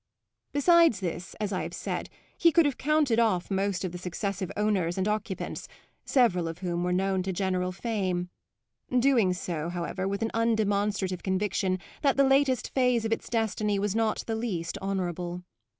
Besides this, as I have said, he could have counted off most of the successive owners and occupants, several of whom were known to general fame; doing so, however, with an undemonstrative conviction that the latest phase of its destiny was not the least honourable.